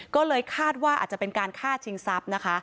ก็เลยคาดว่าอาจจะเป็นการฆ่าชิงทรัพย์นะคะ